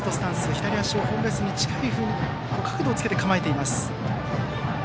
左足をホームベースに近く角度をつけて構えています。